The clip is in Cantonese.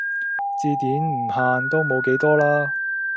字典唔限都冇幾多啦